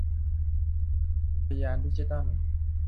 อุทยานดิจิทัล